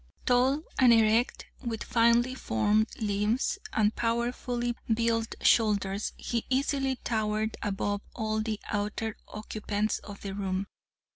"Tall and erect, with finely formed limbs, and powerfully built shoulders, he easily towered above all of the other occupants of the room.